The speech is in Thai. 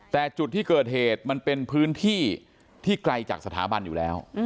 แต่จุดที่เกิดเหตุมันเป็นพื้นที่ที่ไกลจากสถาบันอยู่แล้ว